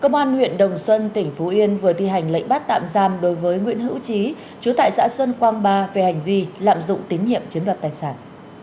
công an huyện đồng xuân tỉnh phú yên vừa thi hành lệnh bắt tạm giam đối với nguyễn hữu trí chú tại xã xuân quang ba về hành vi lạm dụng tín nhiệm chiếm đoạt tài sản